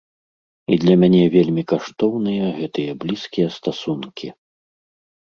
І для мяне вельмі каштоўныя гэтыя блізкія стасункі.